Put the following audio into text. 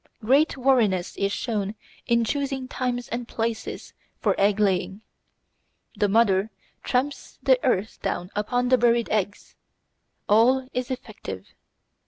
Great wariness is shown in choosing times and places for egg laying. The mother tramps the earth down upon the buried eggs. All is effective.